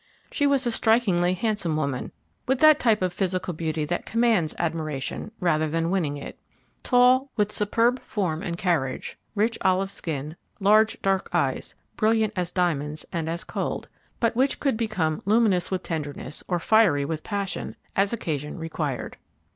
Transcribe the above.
She was a strikingly handsome woman, with that type of physical beauty which commands admiration, rather than winning it; tall, with superb form and carriage, rich olive skin, large dark eyes, brilliant as diamonds and as cold, but which could become luminous with tenderness or fiery with passion, as occasion required.